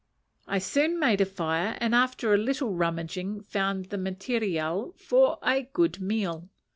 I soon made a fire, and, after a little rummaging, found the matériel for a good meal.